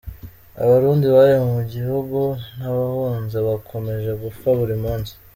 Abarundi bari mu gihugu n’abahunze bakomeje gupfa buri munsi.